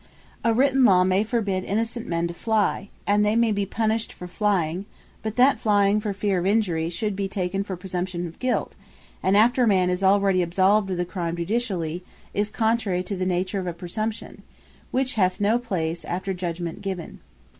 A written Law may forbid innocent men to fly, and they may be punished for flying: But that flying for feare of injury, should be taken for presumption of guilt, after a man is already absolved of the crime Judicially, is contrary to the nature of a Presumption, which hath no place after Judgement given.